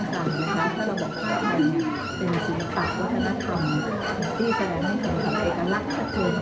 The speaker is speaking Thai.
ก็เลยก็พาจากความผิดแต่ความผิดก็แสดงเป็นคนอื่น